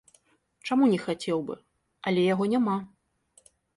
Чаму не хацеў бы, але яго няма.